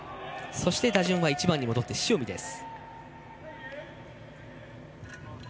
そして打順は１番に戻って塩見です。